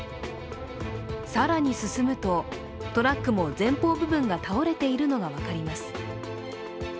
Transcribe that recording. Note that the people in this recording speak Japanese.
更に進むとトラックも前方部分が倒れているのが分かります。